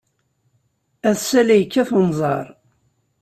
Ass-a, la yekkat unẓar.